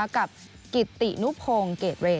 กับกิตตินุพง